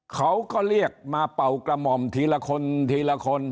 เขาก็เรียกมาเป่ากระหม่อมทีละคนทีละคน